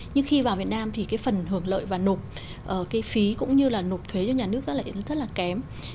nhưng khi vào việt nam thì cái phần hưởng lợi và nộp cái phí cũng như là nộp thuế cho nhà nước rất là kém